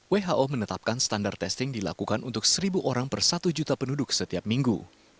who menetapkan standar testing dilakukan untuk seribu orang per satu juta penduduk setiap minggu